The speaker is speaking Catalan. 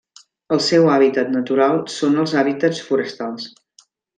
El seu hàbitat natural són els hàbitats forestals.